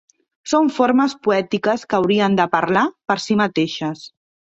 Són formes poètiques que haurien de parlar per si mateixes.